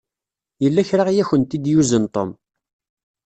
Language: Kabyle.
Yella kra i akent-id-yuzen Tom.